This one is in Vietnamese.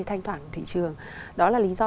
thanh toản của thị trường đó là lý do